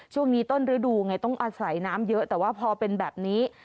ช่วงนี้ต้นฤดูไงต้องอาศัยน้ำเยอะแต่ว่าพอเป็นแบบนี้